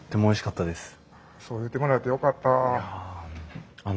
そう言ってもらえてよかったあ。